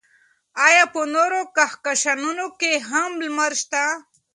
ایا په نورو کهکشانونو کې هم لمر شته؟